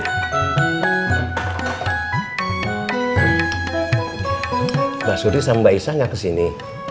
mbak suri sama mbak isah gak kesini